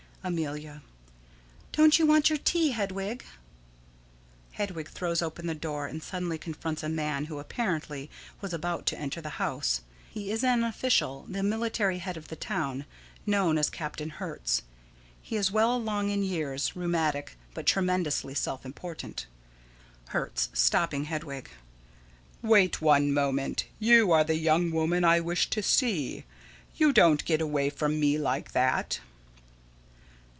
_] Amelia: Don't you want your tea, Hedwig? [_Hedwig throws open the door, and suddenly confronts a man who apparently was about to enter the house. He is an official, the military head of the town, known as Captain Hertz. He is well along in years, rheumatic, but tremendously self important._] Hertz: [Stopping Hedwig.] Wait one moment. You are the young woman I wish to see. You don't get away from me like that.